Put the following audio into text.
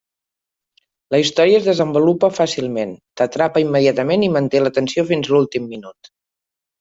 La història es desenvolupa fàcilment, t'atrapa immediatament i manté la tensió fins a l'últim minut.